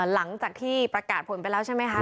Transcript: หลังจากที่ประกาศผลไปแล้วใช่ไหมคะ